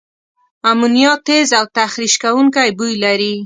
امونیا تیز او تخریش کوونکي بوی لري.